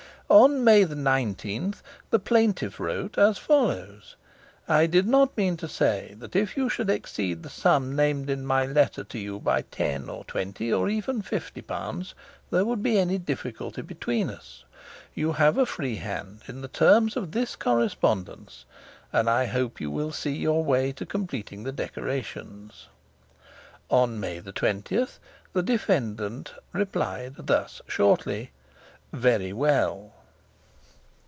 On May 19 the plaintiff wrote as follows: 'I did not mean to say that if you should exceed the sum named in my letter to you by ten or twenty or even fifty pounds there would be any difficulty between us. You have a free hand in the terms of this correspondence, and I hope you will see your way to completing the decorations.' On May 20 the defendant replied thus shortly: 'Very well.